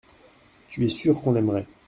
Tu es sûr qu’on aimerait.